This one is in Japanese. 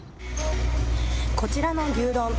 こちらの牛丼。